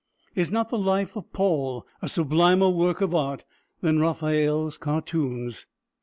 Is not the life of Paul a sublimer work of art than Raphael's cartoons?